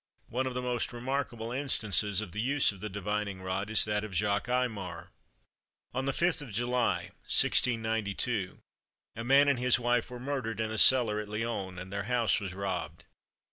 One of the most remarkable instances of the use of the divining rod, is that of Jacques Aymar. On the 5th of July, 1692, a man and his wife were murdered in a cellar at Lyons, and their house was robbed.